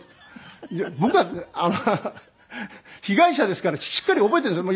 僕は被害者ですからしっかり覚えてるんですよ。